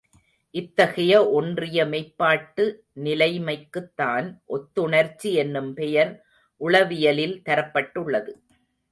இத்தகைய ஒன்றிய மெய்ப்பாட்டு நிலைமைக்குத் தான் ஒத்துணர்ச்சி என்னும் பெயர் உளவியலில் தரப்பட்டுள்ளது.